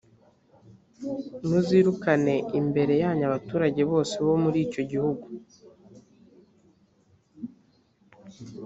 muzirukane imbere yanyu abaturage bose bo muri icyo gihugu.